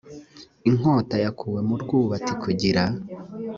inkota yakuwe mu rwubati kugira